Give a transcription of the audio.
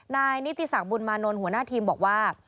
นายนิติศักดิบุญมานนท์หัวหน้าทีมบอกว่า